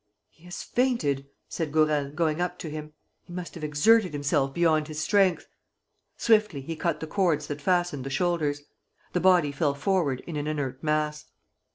"He has fainted," said Gourel, going up to him. "He must have exerted himself beyond his strength." Swiftly he cut the cords that fastened the shoulders. The body fell forward in an inert mass.